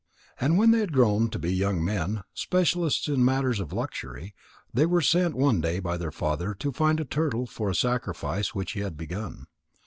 When they had grown to be young men, specialists in matters of luxury, they were sent one day by their father to find a turtle for a sacrifice which he had begun.